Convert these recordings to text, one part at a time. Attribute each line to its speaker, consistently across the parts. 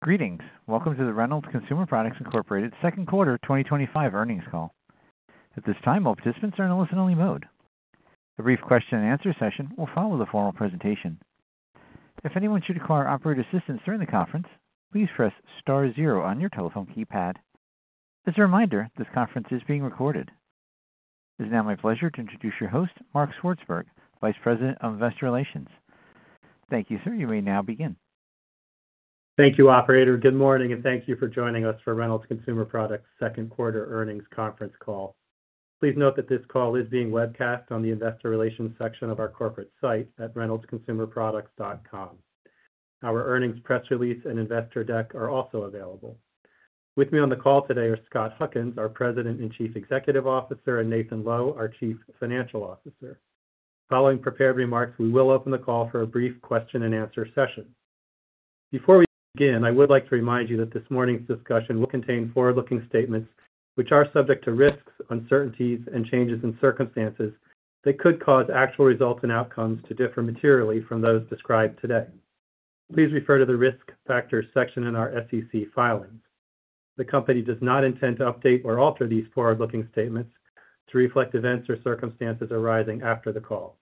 Speaker 1: Greetings. Welcome to the Reynolds Consumer Products Incorporated second quarter 2025 earnings call. At this time, all participants are in a listen-only mode. The brief question and answer session will follow the formal presentation. If anyone should require operator assistance during the conference, please press 0 on your telephone keypad. As a reminder, this conference is being recorded. It is now my pleasure to introduce your host, Mark Swartzberg, Vice President of Investor Relations. Thank you, sir. You may now begin.
Speaker 2: Thank you, Operator. Good morning and thank you for joining us for Reynolds Consumer Products second quarter earnings conference call. Please note that this call is being webcast on the Investor Relations section of our corporate site at reynoldsconsumerproducts.com. Our earnings press release and investor deck are also available. With me on the call today are Scott Huckins, our President and Chief Executive Officer, and Nathan Lowe, our Chief Financial Officer. Following prepared remarks, we will open the call for a brief question and answer session. Before we begin, I would like to remind you that this morning's discussion will contain forward looking statements which are subject to risks, uncertainties, and changes in circumstances that could cause actual results and outcomes to differ materially from those described today. Please refer to the Risk Factors section in our SEC filings. The company does not intend to update or alter these forward looking statements to reflect events or circumstances arising after the call.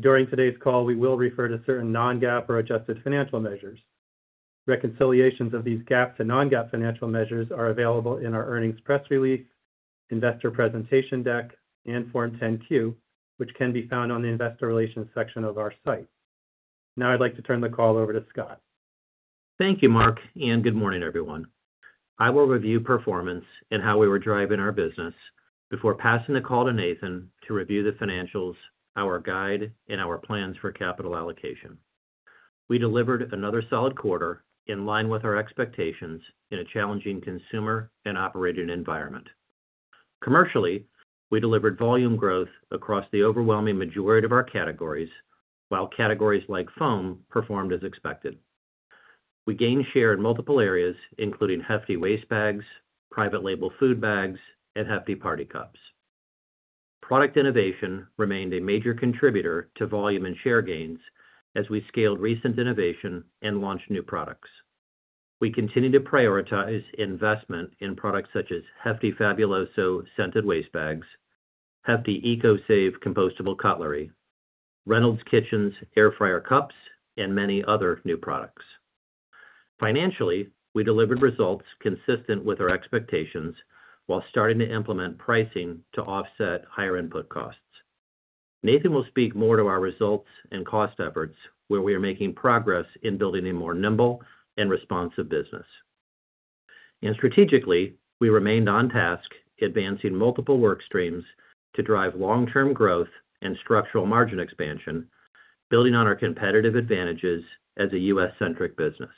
Speaker 2: During today's call, we will refer to certain non-GAAP or adjusted financial measures. Reconciliations of these GAAP to non-GAAP financial measures are available in our earnings press release, investor presentation deck, and Form 10-Q, which can be found on the Investor Relations section of our site. Now I'd like to turn the call over to Scott.
Speaker 3: Thank you, Mark, and good morning, everyone. I will review performance and how we were driving our business before passing the call to Nathan to review the financials, our guidance, and our plans for capital allocation. We delivered another solid quarter in line with our expectations in a challenging consumer and operating environment. Commercially, we delivered volume growth across the overwhelming majority of our categories. While categories like foam performed as expected, we gained share in multiple areas including Hefty waste bags, private label food bags, and Hefty party cups. Product innovation remained a major contributor to volume and share gains as we scaled recent innovation and launched new products. We continue to prioritize investment in products such as Hefty Fabuloso scented waste bags, Hefty ECOSAVE compostable cutlery, Reynolds Kitchens Air Fryer Cups, and many other new products. Financially, we delivered results consistent with our expectations while starting to implement pricing to offset higher input costs. Nathan will speak more to our results and cost efforts where we are making progress in building a more nimble and responsive business. Strategically, we remained on task advancing multiple work streams to drive long-term growth and structural margin expansion, building on our competitive advantages as a U.S.-centric business.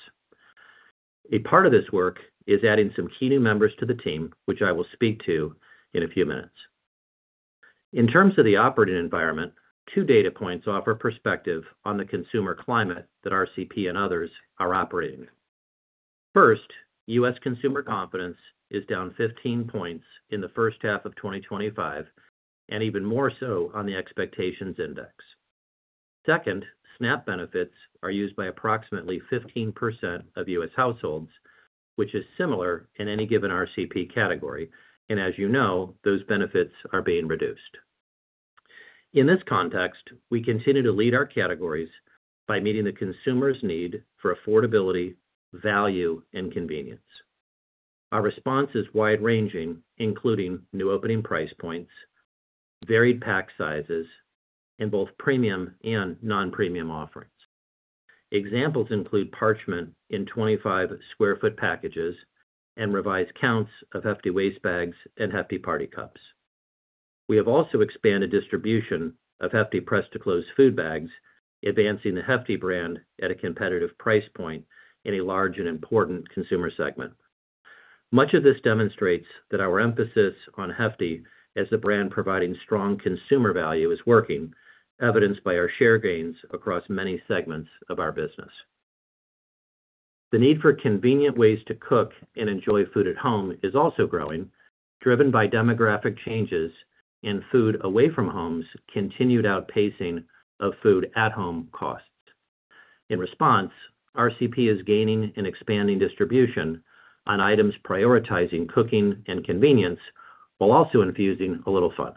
Speaker 3: A part of this work is adding some key new members to the team, which I will speak to in a few minutes. In terms of the operating environment, two data points offer perspective on the consumer climate that RCP and others are operating in. First, U.S. consumer confidence is down 15 points in the first half of 2025 and even more so on the expectations index. Second, SNAP benefits are used by approximately 15% of U.S. households, which is similar in any given RCP category. As you know, those benefits are being reduced. In this context, we continue to lead our categories by meeting the consumer's need for affordability, value, and convenience. Our response is wide-ranging, including new opening price points, varied pack sizes, and both premium and non-premium offerings. Examples include parchment in 25 sq ft packages and revised counts of Hefty waste bags and Hefty party cups. We have also expanded distribution of Hefty Press to Close Food Bags, advancing the Hefty brand at a competitive price point in a large and important consumer segment. Much of this demonstrates that our emphasis on Hefty as the brand providing strong consumer value is working, evidenced by our share gains across many segments of our business. The need for convenient ways to cook and enjoy food at home is also growing, driven by demographic changes in food away from home's continued outpacing of food at home costs. In response, RCP is gaining and expanding distribution on items prioritizing cooking and convenience while also infusing a little fun.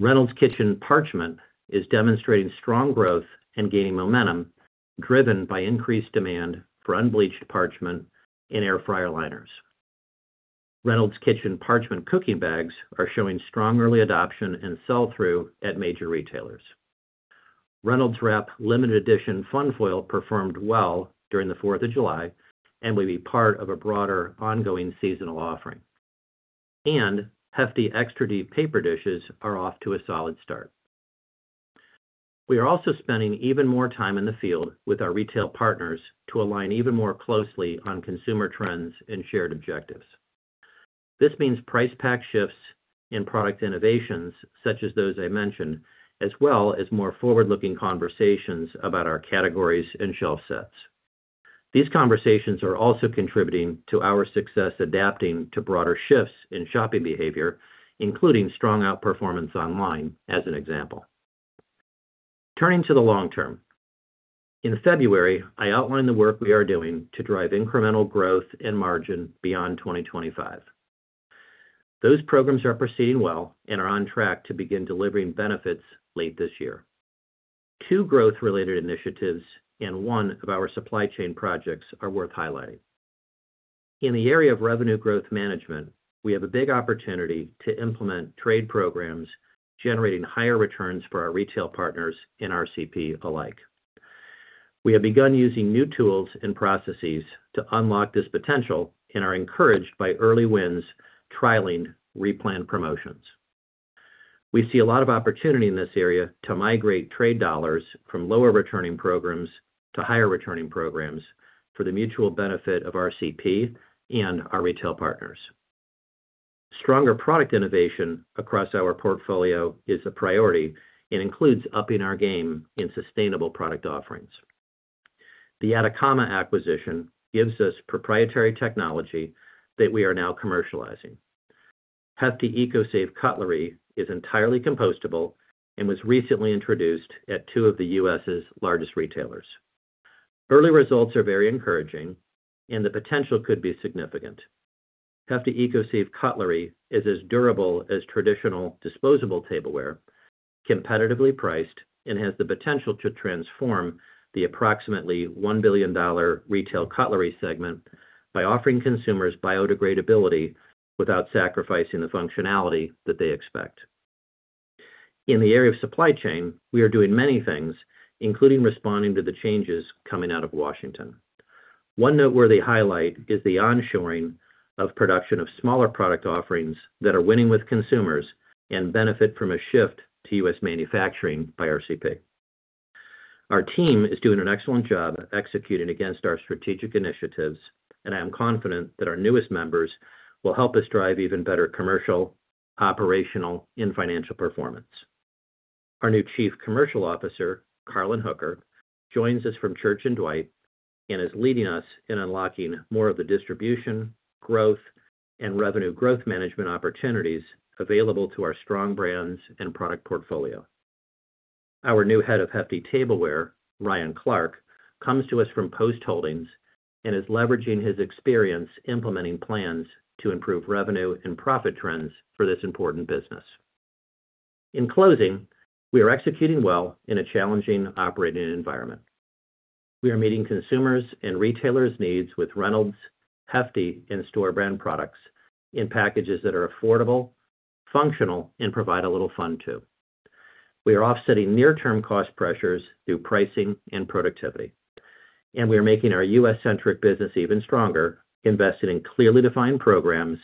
Speaker 3: Reynolds Kitchens Parchment is demonstrating strong growth and gaining momentum driven by increased demand for unbleached parchment in Air Fryer Liners. Reynolds Kitchens Parchment cooking bags are showing strong early adoption and sell-through at major retailers. Reynolds Wrap Limited Edition Fun Foil performed well during the 4th of July and will be part of a broader, ongoing seasonal offering, and Hefty Extra Deep Paper Dishes are off to a solid start. We are also spending even more time in the field with our retail partners to align even more closely on consumer trends and shared objectives. This means price pack shifts in product innovations such as those I mentioned, as well as more forward-looking conversations about our categories and shelf sets. These conversations are also contributing to our success adapting to broader shifts in shopping behavior, including strong outperformance online. As an example, turning to the long term, in February I outlined the work we are doing to drive incremental growth and margin beyond 2025. Those programs are proceeding well and are on track to begin delivering benefits late this year. Two growth-related initiatives and one of our supply chain projects are worth highlighting. In the area of revenue growth management, we have a big opportunity to implement trade programs generating higher returns for our retail partners and RCP alike. We have begun using new tools and processes to unlock this potential and are encouraged by early wins trialing replanned promotions. We see a lot of opportunity in this area to migrate trade dollars from lower returning programs to higher returning programs for the mutual benefit of RCP and our retail partners. Stronger product innovation across our portfolio is a priority and includes upping our game in sustainable product offerings. The Atacama acquisition gives us proprietary technology that we are now commercializing. Hefty ECOSAVE Cutlery is entirely compostable and was recently introduced at two of the U.S.'s largest retailers. Early results are very encouraging and the potential could be significant. Hefty ECOSAVE Cutlery is as durable as traditional disposable tableware, competitively priced, and has the potential to transform the approximately $1 billion retail cutlery segment by offering consumers biodegradability without sacrificing the functionality that they expect. In the area of supply chain, we are doing many things including responding to the changes coming out of Washington. One noteworthy highlight is the onshoring of production of smaller product offerings that are winning with consumers and benefit from a shift to U.S. manufacturing by RCP. Our team is doing an excellent job of executing against our strategic initiatives and I am confident that our newest members will help us drive even better commercial, operational, and financial performance. Our new Chief Commercial Officer, Carlen Hooker, joins us from Church & Dwight and is leading us in unlocking more of the distribution growth and revenue growth management opportunities available to our strong brands and product portfolio. Our new Head of Hefty Tableware, Ryan Clark, comes to us from Post Holdings and is leveraging his experience implementing plans to improve revenue and profit trends for this important business. In closing, we are executing well in a challenging operating environment. We are meeting consumers' and retailers' needs with Reynolds, Hefty, and store brand products in packages that are affordable, functional, and provide a little fun too. We are offsetting near-term cost pressures through pricing and productivity, and we are making our U.S.-centric business even stronger, invested in clearly defined programs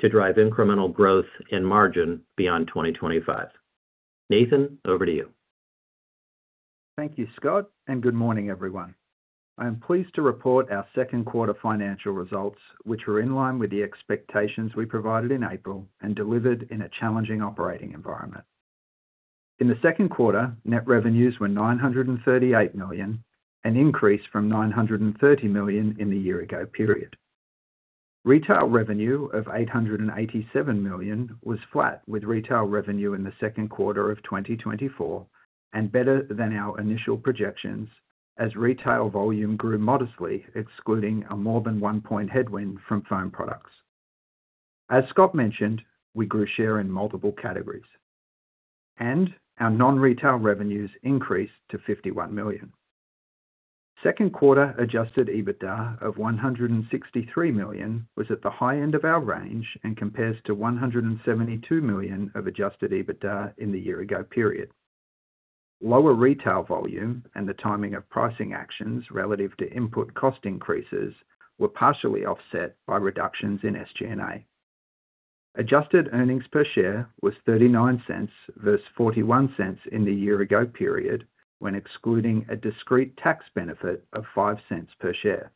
Speaker 3: to drive incremental growth and margin beyond 2025. Nathan, over to you.
Speaker 4: Thank you, Scott, and good morning, everyone. I am pleased to report our second quarter financial results, which were in line with the expectations we provided in April and delivered in a challenging operating environment. In the second quarter, net revenues were $938 million, an increase from $930 million in the year-ago period. Retail revenue of $887 million was flat with retail revenue in the second quarter of 2024 and better than our initial projections as retail volume grew modestly, excluding a more than one point headwind from foam products. As Scott mentioned, we grew share in multiple categories, and our non-retail revenues increased to $51 million. Second quarter adjusted EBITDA of $163 million was at the high end of our range and compares to $172 million of adjusted EBITDA in the year-ago period. Lower retail volume and the timing of pricing actions relative to input cost increases were partially offset by reductions in SG&A. Adjusted earnings per share was $0.39 vs. $0.41 in the year-ago period when excluding a discrete tax benefit of $0.05 per share.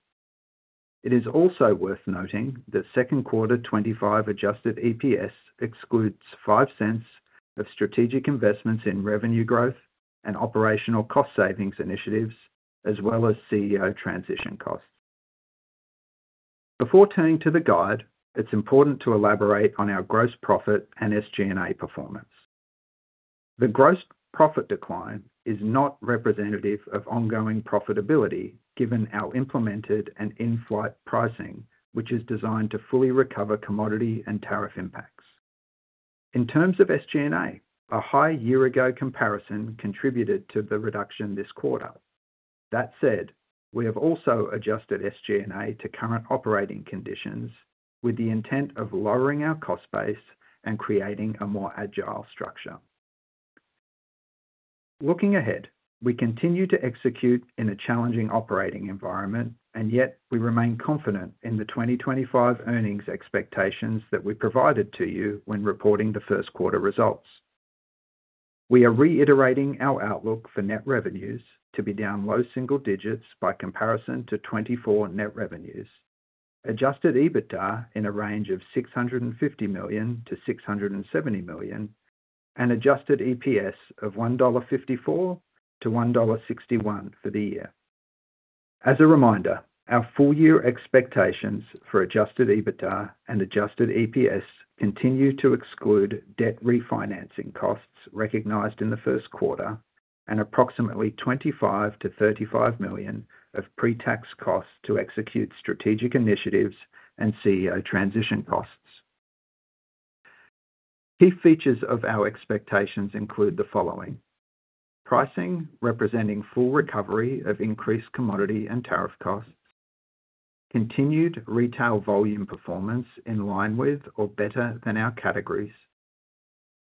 Speaker 4: It is also worth noting that second quarter 2025 adjusted EPS excludes $0.05 of strategic investments in revenue growth and operational cost savings initiatives as well as CEO transition costs. Before turning to the guidance, it's important to elaborate on our gross profit and SG&A performance. The gross profit decline is not representative of ongoing profitability given our implemented and in-flight pricing, which is designed to fully recover commodity and tariff impacts. In terms of SG&A, a high year-ago comparison contributed to the reduction this quarter. That said, we have also adjusted SG&A to current operating conditions with the intent of lowering our cost base and creating a more agile structure. Looking ahead, we continue to execute in a challenging operating environment, and yet we remain confident in the 2025 earnings expectations that we provided to you when reporting the first quarter. We are reiterating our outlook for net revenues to be down low single digits by comparison to 2024 net revenues, adjusted EBITDA in a range of $650 million-$670 million, and adjusted EPS of $1.54-$1.61 for the year. As a reminder, our full year expectations for adjusted EBITDA and adjusted EPS continue to exclude debt refinancing costs, recognized in the first quarter, and approximately $25 million-$35 million of pre-tax costs to execute strategic initiatives and CEO transition costs. Key features of our expectations include the pricing representing full recovery of increased commodity and tariff costs, continued retail volume performance in line with or better than our categories.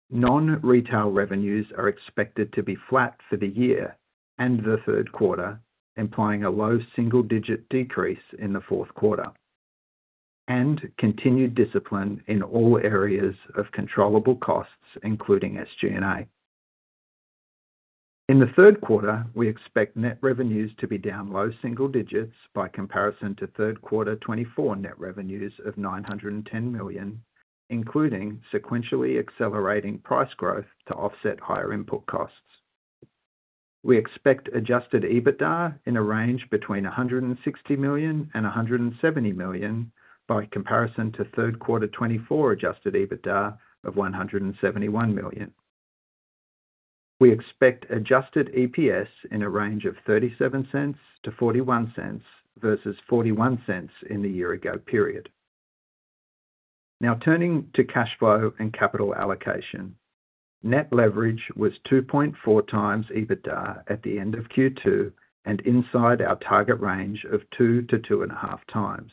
Speaker 4: Non-retail revenues are expected to be flat for the year and the third quarter, implying a low single-digit decrease in the fourth quarter and continued discipline in all areas of controllable costs, including SG&A. In the third quarter, we expect net revenues to be down low single digits by comparison to third quarter 2024 net revenues of $910 million, including sequentially accelerating price growth to offset higher input costs. We expect adjusted EBITDA in a range between $160 million-$170 million by comparison to third quarter 2024 adjusted EBITDA of $171 million. We expect adjusted EPS in a range of $0.37-$0.41 vs. $0.41 in the year-ago period. Now turning to cash flow and capital allocation, net leverage was 2.4x EBITDA at the end of Q2 and inside our target range of 2x-2.5x,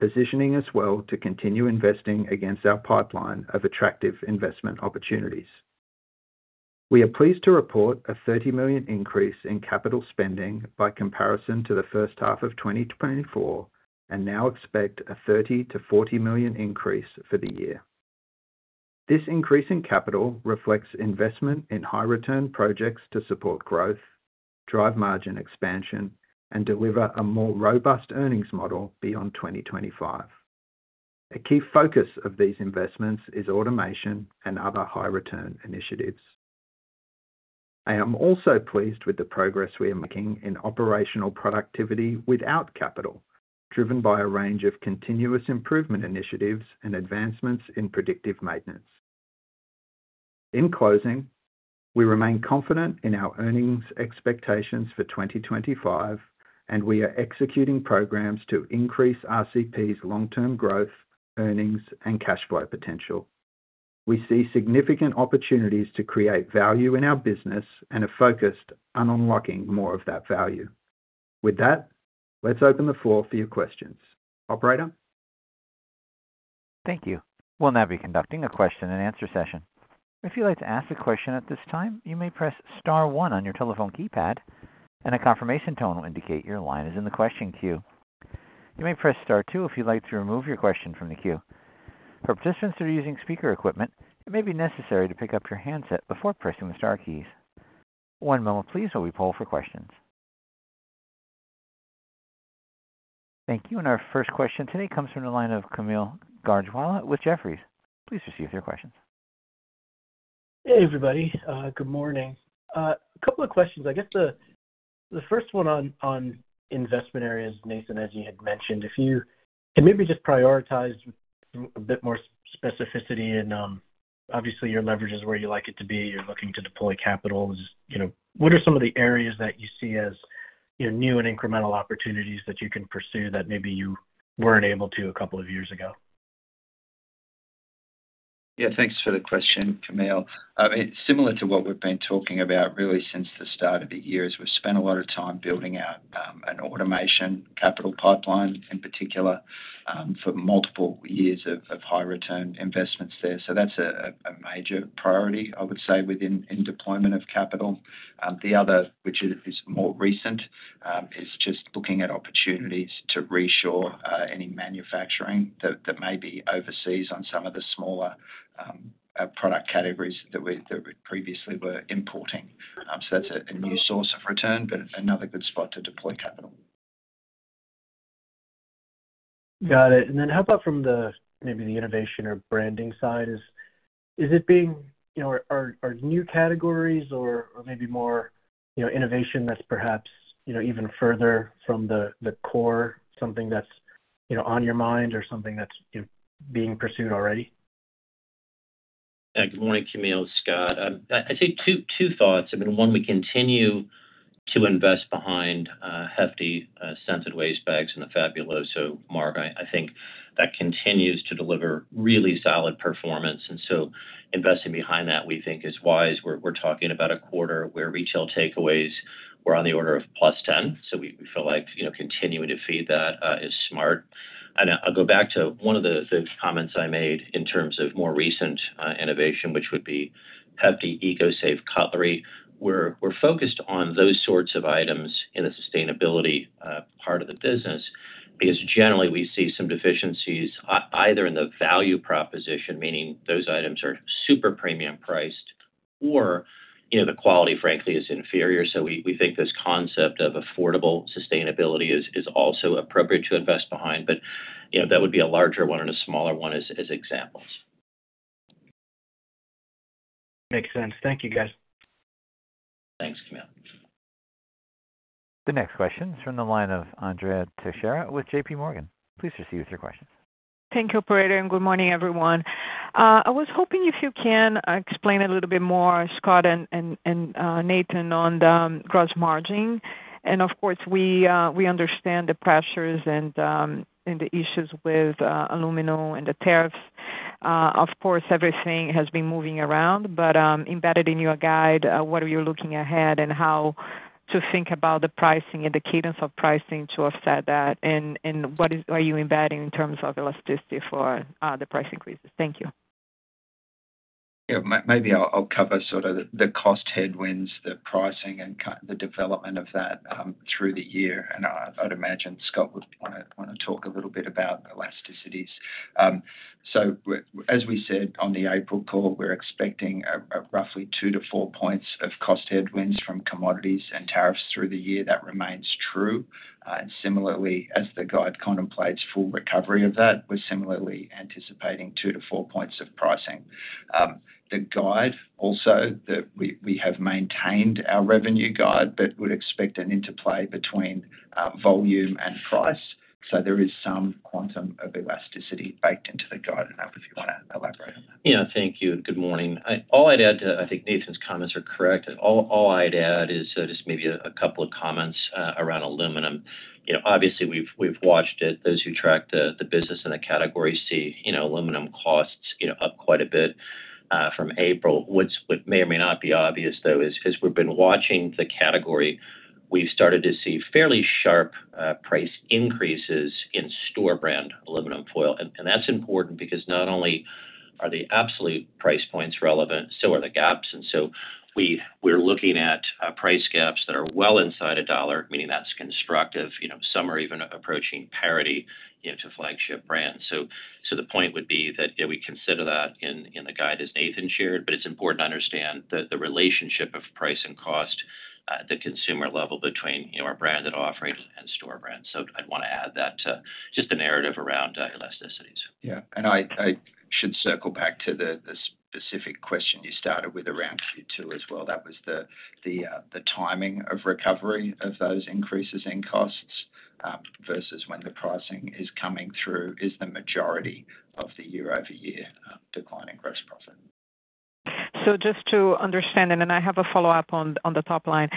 Speaker 4: positioning us well to continue investing against our pipeline of attractive investment opportunities. We are pleased to report a $30 million increase in capital spending by comparison to the first half of 2024 and now expect a $30-$40 million increase for the year. This increase in capital reflects investment in high-return projects to support growth, drive margin expansion, and deliver a more robust earnings model beyond 2025. A key focus of these investments is automation and other high-return initiatives. I am also pleased with the progress we are making in operational productivity without capital, driven by a range of continuous improvement initiatives and advancements in predictive maintenance. In closing, we remain confident in our earnings expectations for 2025 and we are executing programs to increase RCP's long-term growth, earnings, and cash flow potential. We see significant opportunities to create value in our business and are focused on and unlocking more of that value. With that, let's open the floor for your questions. Operator.
Speaker 1: Thank you. We'll now be conducting a question and answer session. If you'd like to ask a question at this time, you may press Star 1 on your telephone keypad, and a confirmation tone will indicate your line is in the question queue. You may press Star 2 if you'd like to remove your question from the queue. For participants who are using speaker equipment, it may be necessary to pick up your handset before pressing the star keys. One moment, please, while we poll for questions. Thank you. Our first question today comes from the line of Kaumil Gajrawala with Jefferies. Please proceed with your questions.
Speaker 5: Hey everybody. Good morning. A couple of questions. I guess the first one on investment areas. Nathan, as you had mentioned, if you can maybe just prioritize a bit more specificity in, obviously, your leverage is where you like it to be you're looking to deploy capital. What are some of the areas that you see as new and incremental opportunities that you can pursue that maybe you weren't able to a couple of years ago?
Speaker 4: Yeah, thanks for the question, Kaumil. Similar to what we've been talking about really since the start of the year, we've spent a lot of time building out an automation capital pipeline, in particular for multiple years of high return investments there. That's a major priority, I would say, within deployment of capital. The other, which is more recent, is just looking at opportunities to onshore any manufacturing that may be overseas on some of the smaller product categories that previously were importing. That's a new source of return, but another good spot to deploy capital.
Speaker 5: Got it. How about from the, maybe the innovation or branding side is. It being new categories or maybe more innovation that's perhaps even further from the core? Something that's on your mind or something that's being pursued already.
Speaker 3: Good morning, Kaumil. Scott, I'd say two thoughts. One, we continue to invest behind Hefty scented waste bags and the Fabuloso market. I think that continues to deliver really solid performance, and investing behind that we think is wise. We're talking about a quarter where retail takeaways were on the order of +10%. We feel like continuing to feed that is smart. I'll go back to one of the comments I made in terms of more recent innovation, which would be Hefty ECOSAVE Cutlery. We're focused on those sorts of items in the sustainability part of the business because generally we see some deficiencies either in the value proposition, meaning those items are super premium priced, or the quality, frankly, is inferior. We think this concept of affordable sustainability is also appropriate to invest behind. That would be a larger one and a smaller one as examples.
Speaker 5: Makes sense. Thank you, guys.
Speaker 3: Thanks, Kaumil.
Speaker 1: The next question is from the line of Andrea Teixeira with JPMorgan. Please proceed with your questions.
Speaker 6: Thank you, operator. Good morning everyone. I was hoping if you can explain a little bit more, Scott, Nathan, on the gross margin. We understand the pressures and the issues with aluminum and the tariffs. Everything has been moving around. Embedded in your guide, what are you looking ahead and how to think about the pricing and the cadence of pricing to offset that? What are you embedding in terms of elasticity for the price increases? Thank you.
Speaker 4: Maybe I'll cover sort of the cost headwinds, the pricing, and the development of that through the year. I'd imagine Scott would want to talk a little bit about elasticities. As we said on the April call, we're expecting roughly 2-4 points of cost headwinds from commodities and tariffs through the year. That remains true. Similarly, as the guide contemplates full recovery of that, we're similarly anticipating 2-4 points of pricing. Also, we have maintained our revenue guide but would expect an interplay between volume and price. There is some quantum of elasticity baked into the guide. I don't know if you want to elaborate on that.
Speaker 3: Yeah. Thank you. Good morning. All I'd add to, I think Nathan's comments are correct. All I'd add is just maybe a couple of comments around aluminum. Obviously we've watched it, those who track the business in the category see aluminum costs up quite a bit from April, which may or may not be obvious though as we've been watching the category, we've started to see fairly sharp price increases in store brand aluminum foil. That's important because not only are the absolute price points relevant, so are the gaps. We're looking at price gaps that are well inside a dollar, meaning that's constructive. Some are even approaching parity to flagship brands. The point would be that we consider that in the guide, as Nathan shared. It's important to understand the relationship of price consumer level between our branded offerings and store brands. I'd want to add that just the narrative around elasticities.
Speaker 4: Yeah. I should circle back to the specific question you started with around Q2 as well. That was the timing of recovery of those increases in costs vs. when the pricing is coming through, which is the majority of the year-over-year decline in gross profit.
Speaker 6: Just to understand, I have a follow up on the top line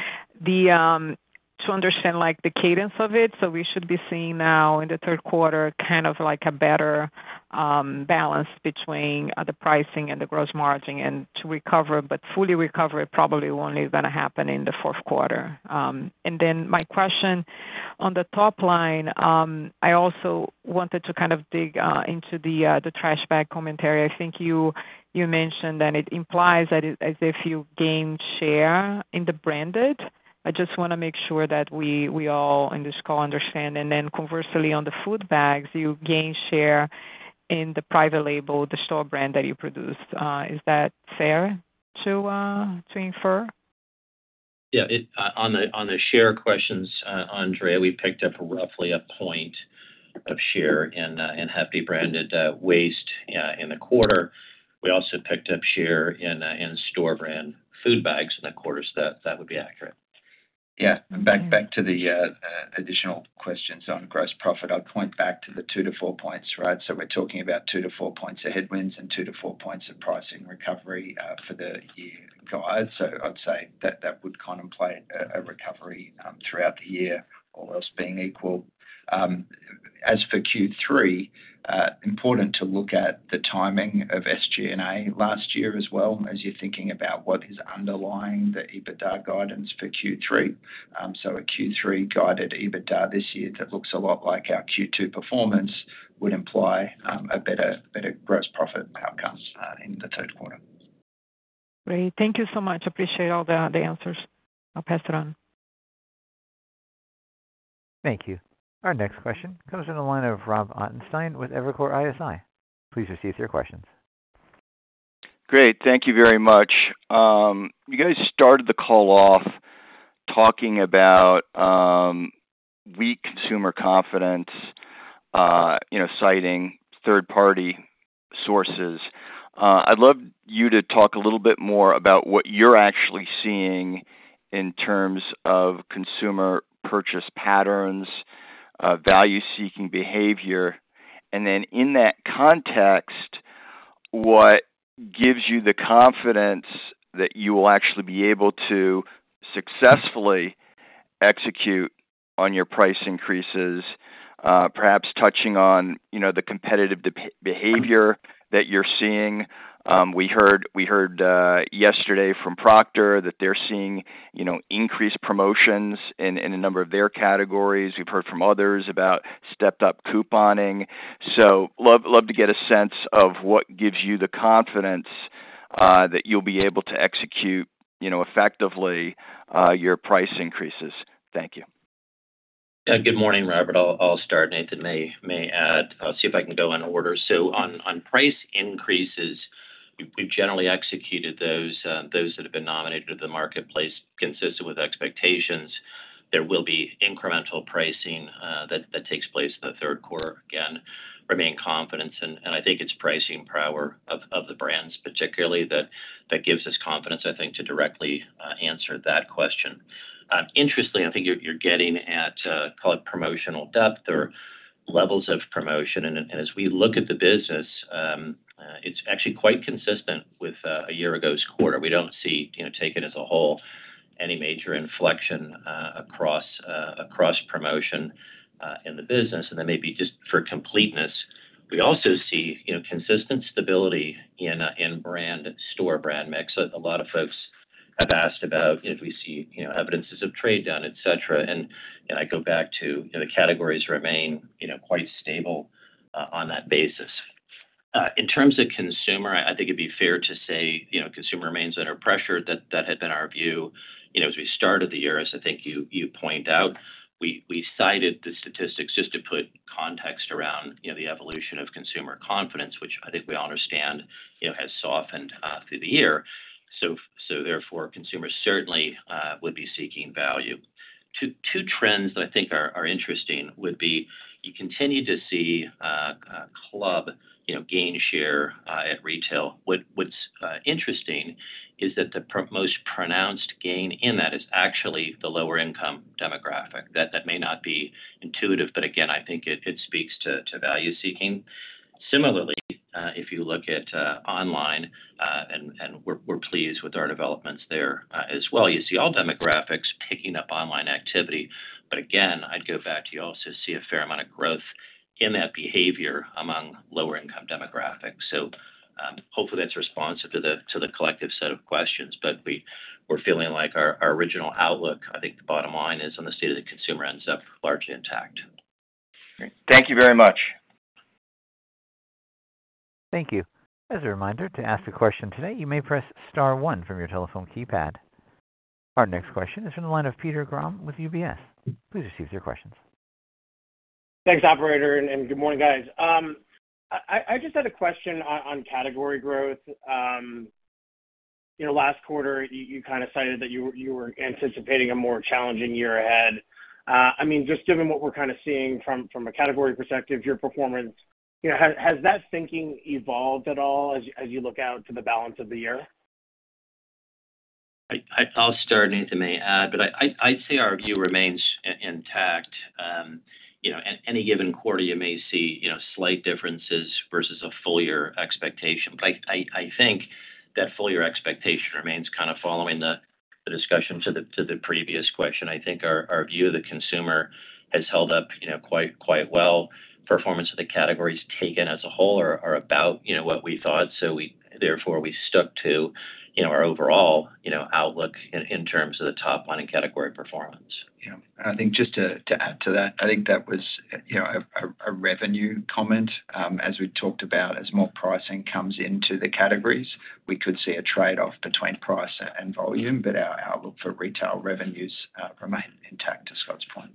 Speaker 6: to understand the cadence of it. We should be seeing now in the third quarter kind of a better balance between the pricing and the gross margin. To recover, but fully recover, probably only going to happen in the fourth quarter. My question on the top line, I also wanted to dig into the trash bag commentary I think you mentioned. It implies that as if you gave share in the branded. I just want to make sure that we all in this call understand. Conversely, on the food bags, you gain share in the private label, the store brand that you produce. Is that fair to infer?
Speaker 3: Yeah. On the share questions, Andrea, we picked up roughly a point of share in Hefty branded waste in the quarter. We also picked up share in store brand food bags in the quarter. That would be accurate.
Speaker 4: Yeah. Back to the additional questions on gross profit. I'd point back to the 2-4 points. Right. We're talking about 2-4 points of headwinds and 2-4 points of pricing recovery for the year, guys. I'd say that would contemplate a recovery throughout the year, all else being equal. As for Q3, it's important to look at the timing of SG&A last year as well as you thinking about what is underlying the EBITDA guidance for Q3. A Q3 guided EBITDA this year that looks a lot like our Q2 performance would imply a better gross profit outcome in the third quarter.
Speaker 6: Great, thank you so much. Appreciate all the answers. I'll pass it on.
Speaker 1: Thank you. Our next question comes from the line of Rob Ottenstein with Evercore ISI. Please proceed with your questions.
Speaker 7: Great, thank you very much. You guys started the call off talking about weak consumer confidence, citing third party sources. I'd love you to talk a little bit more about what you're actually seeing in terms of consumer purchase patterns, value seeking behavior, and then in that context, what gives you the confidence that you will actually be able to successfully execute on your price increases, perhaps touching on the competitive behavior that you're seeing. We heard yesterday from Procter that they're seeing increased promotions in a number of their categories. We've heard from others about stepped up couponing. I'd love to get what gives you the confidence that you'll be able to execute effectively your price increases. Thank you.
Speaker 3: Good morning, Robert. I'll start, Nathan may add, see if I can go in order. On price increases, we've generally executed those, those that have been nominated to the marketplace consistent with expectations. There will be incremental pricing that takes place in the third quarter. Again, remain confident and I think it's pricing power of brands particularly that gives us confidence, I think to directly answer that question. Interestingly, I think you're getting at, call it promotional depth or levels of promotion. As we look at the business, it's actually quite consistent with a year ago's quarter. We don't see, taken as a whole, any major inflection across promotion in the business maybe just for completeness. We also see consistent stability in brand, store brand mix. A lot of folks have asked about if we see evidences of trade down, etc., and I go back to the categories remain quite stable on that basis. In terms of consumer, I think it'd be fair to say consumer remains under pressure. That had been our view as we started the year. As I think you point out, we cited the statistics just to put context around the evolution of consumer confidence, which I think we understand has softened through the year. Therefore, consumers certainly would be seeking value. Two trends that I think are interesting would be you continue to see club gain share at retail. What's interesting is that the most pronounced gain in that is actually the lower income demographic. That may not be intuitive, but again, I think it speaks to value seeking. Similarly, if you look at online, and we're pleased with our developments there as well, you see all demographics picking up online activity. Again, I'd go back to, you also see a fair amount of growth in that behavior among lower income demographics. Hopefully that's responsive to the collective set of questions. We're feeling like our original outlook, I think the bottom line is on the state of the consumer, ends up largely intact.
Speaker 7: Thank you very much.
Speaker 1: Thank you. As a reminder, to ask a question today, you may press Star one from your telephone keypad. Our next question is from the line of Peter Grom with UBS. Please receive your questions.
Speaker 8: Thanks, operator, and good morning, guys. I just had a question on category growth. Last quarter you kind of cited that you were anticipating a more challenging year ahead. I mean, just given what we're kind of seeing from a category perspective, your performance, has that thinking evolved at all as you look out to the balance of the year?
Speaker 3: I'll start, Nathan may add, but I'd say our view remains intact. Any given quarter you may see slight differences vs. a full year expectation, but I think that full year expectation remains. Following the discussion to the previous question, I think our view of the consumer has held up quite well. Performance of the categories taken as a whole are about what we thought, therefore we stuck to our overall outlook in terms of the top line and category performance.
Speaker 4: I think just to add to that, I think that was a revenue comment. As we talked about, as more pricing comes into the categories, we could see a trade-off between price and volume, but our outlook for retail revenues remains intact to Scott's point.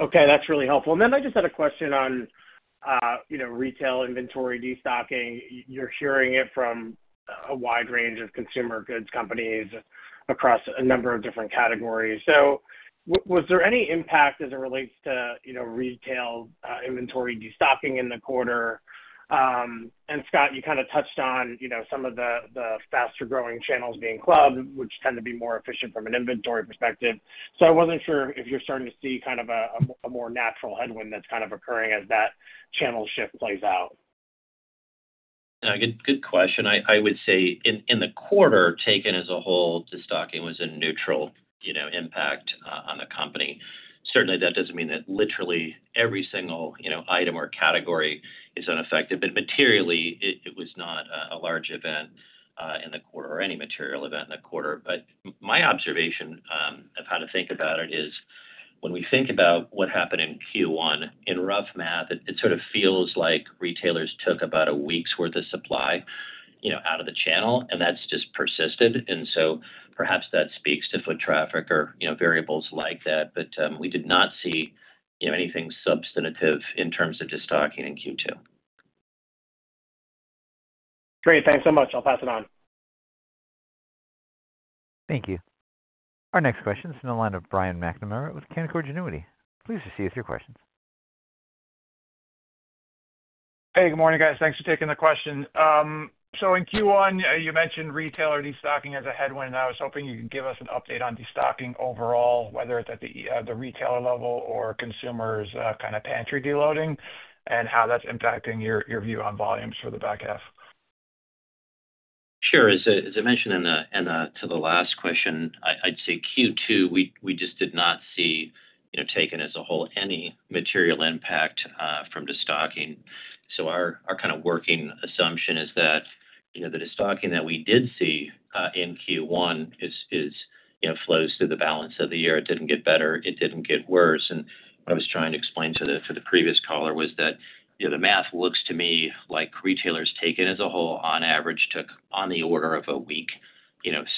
Speaker 8: Okay, that's really helpful. I just had a question. On retail inventory destocking, you're hearing it from a wide range of consumer goods companies across a number of different categories. Was there any impact as it relates to retail inventory destocking in the quarter? Scott, you kind of touched on some of the faster growing channels being club, which tend to be more efficient from an inventory perspective. I wasn't sure if you're starting to see kind of a more natural headwind that's occurring as that channel shift plays out.
Speaker 3: Good question. I would say in the quarter, taken as a whole, destocking was a neutral impact on the company. Certainly, that doesn't mean that literally every single item or category is unaffected, but materially, it was not a large event in the quarter or any material event in the quarter. My observation of how to think about it is when we think about what happened in Q1 in rough math, it sort of feels like retailers took about a week's worth of supply out of the channel, and that's just persisted. Perhaps that speaks to foot traffic or variables like that, but we did not see anything substantive in terms of destocking in Q2.
Speaker 8: Great. Thanks so much. I'll pass it on.
Speaker 1: Thank you. Our next question is on the line of Brian McNamara with Canaccord Genuity. Please proceed with your questions.
Speaker 9: Good morning, guys. Thanks for taking the question. In Q1, you mentioned retailer destocking as a headwind. I was hoping you can give us an update on destocking overall, whether it's at the retailer level or consumers kind of pantry deloading, and how that's impacting your view on volumes for the back half.
Speaker 3: Sure. As I mentioned to the last question, I'd say Q2, we just did not see, taken as a whole, any material impact from destocking. Our kind of working assumption is that the destocking that we did see in Q1 flows through the balance of the year. It didn't get better, it didn't get worse. What I was trying to explain to the previous caller was that the math looks to me like retailers, taken as a whole, on average, took on the order of a week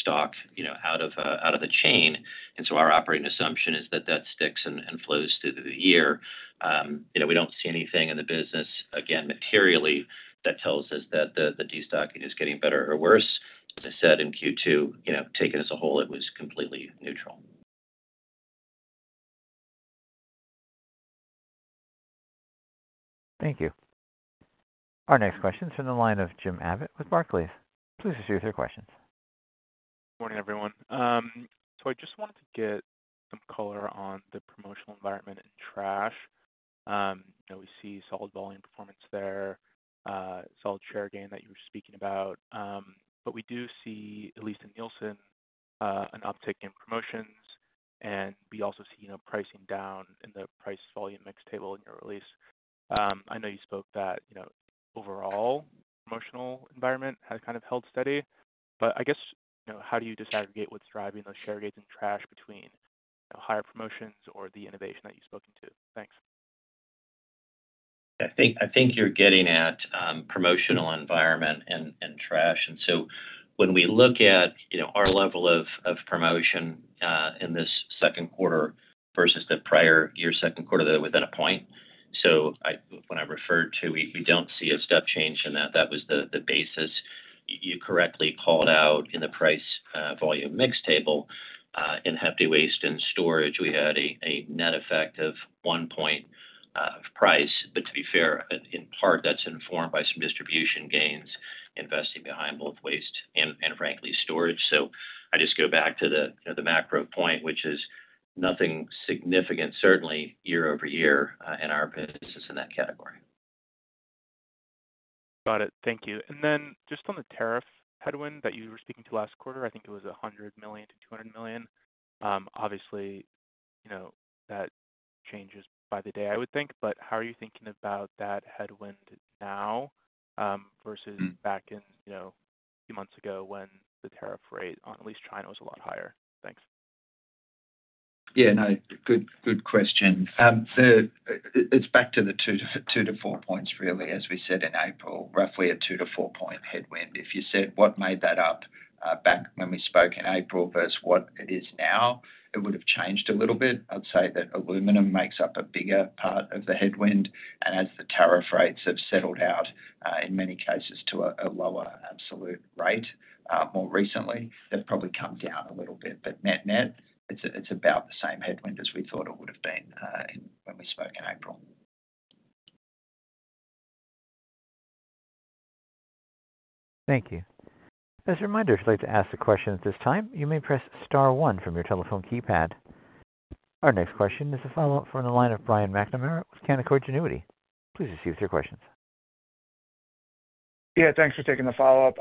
Speaker 3: stock out of the chain. Our operating assumption is that that sticks and flows through the year. We don't see anything in the business, again, materially, that tells us that the destocking is getting better or worse. As I said in Q2, taken as a whole, it was completely neutral.
Speaker 1: Thank you. Our next question is from the line of Jim Abbott with Barclays. Please proceed with your questions.
Speaker 10: Good morning, everyone. I just wanted to get some color on the promotional environment in trash. We see solid volume performance there, solid share gain that you were speaking about. We do see, at least in Nielsen, an uptick in promotions, and we also see pricing down in the price volume mix table in your release. I know you spoke that overall promotional environment has kind of held steady. I guess how do you disaggregate what's driving those share gains in trash between higher promotions or the innovation that you've spoken to? Thanks.
Speaker 3: I think you're getting at promotional environment and trash. When we look at our level of promotion in this second quarter vs. the prior year, second quarter, that's within a point. When I referred to we don't see a step change in that, that was the basis you correctly called out in the price volume mix table in Hefty waste and storage. We had a net effect of one point of price. To be fair, in part that's informed by some distribution gains investing behind both waste and, frankly, storage. I just go back to the macro point, which is nothing significant certainly year over year in our business in that category.
Speaker 10: Got it, thank you. Just on the tariff headwind that you were speaking to last quarter, I think it was $100 million-$200 million. Obviously, you know that changes by the day, I would think. How are you thinking about that headwind now vs. a few months ago when the tariff rate on at least China was a lot higher? Thanks.
Speaker 4: Yeah, good question. It's back to the 2-4 points. Really, as we said in April, roughly a 2-4 points headwind. If you said what made that up back when we spoke in April vs. what it is now, it would have. Changed a little bit. I'd say that aluminum makes up a bigger part of the headwind, and as the tariff rates have settled out in many cases to a lower absolute rate more recently, they've probably come down a little bit. Net, net, it's about the same headwind as we thought it would have been when we spoke in April.
Speaker 1: Thank you. As a reminder, if you'd like to ask a question at this time, you may press Star one from your telephone keypad. Our next question is a follow-up from the line of Brian McNamara with Canaccord Genuity. Please proceed with your questions.
Speaker 9: Yeah, thanks for taking the follow up.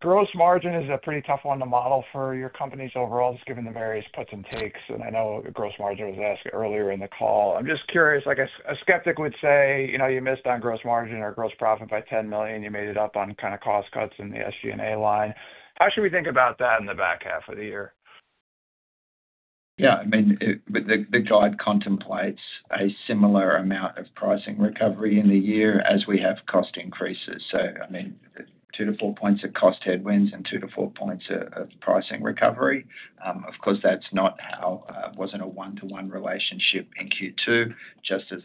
Speaker 9: Gross margin is a pretty tough one to model for your company's overall, just given the various puts and takes. I know gross margin was asked earlier in the call. I'm just curious. I guess a skeptic would say you missed on gross margin or gross profit by $10 million. You made it up on kind of cost cuts in the SG&A line. How should we think about that in the back half of the year?
Speaker 4: Yeah, I mean the guidance contemplates a similar amount of pricing recovery in the year as we have cost increases. I mean 2-4 points of cost headwinds and 2-4 points of pricing recovery. Of course, that's not how—it wasn't a one-to-one relationship in Q2, just as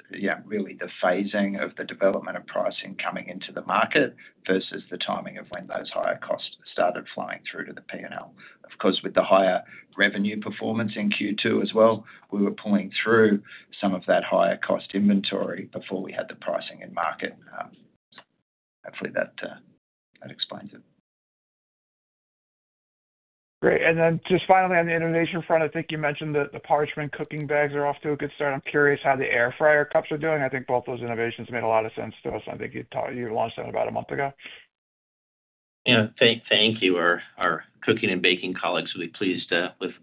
Speaker 4: really the phasing of the development of pricing coming into the market vs. the timing of when those higher costs started flowing through to the P&L. Of course, with the higher revenue performance in Q2 as well, we were pulling through some of that higher cost inventory before we had the pricing and marketing. Hopefully, that explains it.
Speaker 9: Great. Finally, on the innovation front, I think you mentioned that the parchment cooking bags are off to a good start. I'm curious how the Air Fryer Cups are doing. I think both those innovations made a lot of sense to us. I think you launched that about a month ago.
Speaker 3: Thank you. Our cooking and baking colleagues will be pleased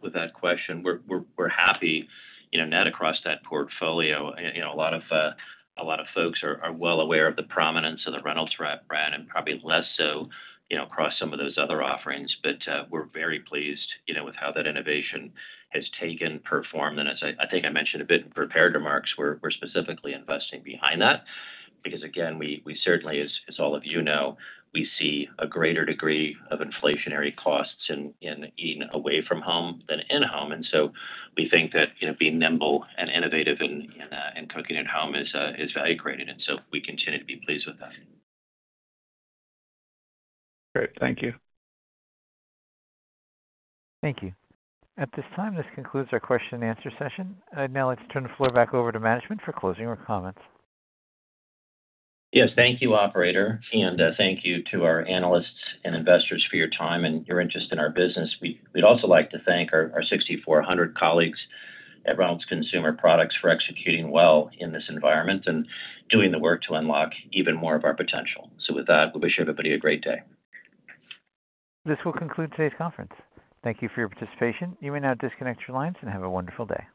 Speaker 3: with that question. We're happy net across that portfolio. A lot of folks are well aware of the prominence of the Reynolds brand and probably less so across some of those other offerings. We're very pleased with how that innovation has performed. I think I mentioned a bit in prepared remarks, we're specifically investing behind that because, as all of you know, we see a greater degree of inflationary costs away from home than in home. We think that being nimble and innovative and cooking at home is value created. We continue to be pleased with that.
Speaker 9: Great, thank you.
Speaker 1: Thank you. At this time, this concludes our question and answer session. Now let's turn the floor back over to management for closing comments.
Speaker 3: Yes, thank you, operator. Thank you to our analysts and investors for your time and your interest in our business. We'd also like to thank our 6,400 colleagues at Reynolds Consumer Products for executing well in this environment and doing the work to unlock even more of our potential. We wish everybody a great day.
Speaker 1: This will conclude today's conference. Thank you for your participation. You may now disconnect your lines and have a wonderful day.